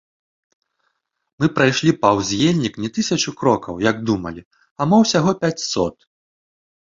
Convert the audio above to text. Мы прайшлі паўз ельнік не тысячу крокаў, як думалі, а мо ўсяго пяцьсот.